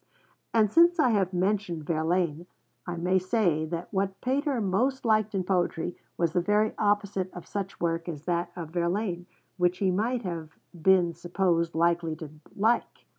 And since I have mentioned Verlaine, I may say that what Pater most liked in poetry was the very opposite of such work as that of Verlaine, which he might have been supposed likely to like.